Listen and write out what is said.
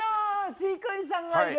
飼育員さんがいる。